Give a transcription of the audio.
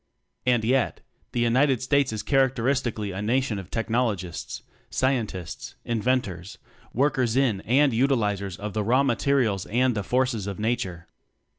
And yet, the United States is characteristically a nation of technologists scientists, inventors, workers in and utilizers of the raw materials and the forces of nature.